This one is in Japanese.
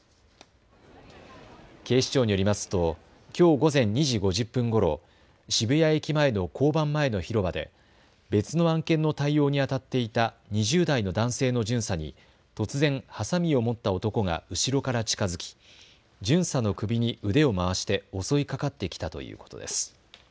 警視庁によりますときょう午前２時５０分ごろ、渋谷駅前の交番前の広場で別の案件の対応にあたっていた２０代の男性の巡査に突然、はさみを持った男が後ろから近づき巡査の首に腕を回して襲いかかってきたということです。